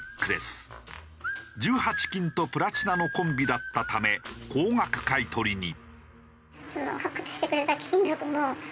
１８金とプラチナのコンビだったため高額買い取りに。